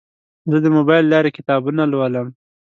زه د موبایل له لارې کتابونه لولم.